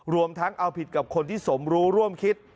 รวมทั้งเอาผิดกับคนที่สมรู้ร่วมคิด